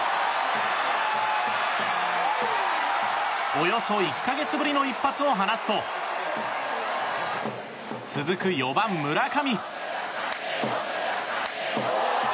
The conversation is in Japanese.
およそ１か月ぶりの一発を放つと続く４番、村上。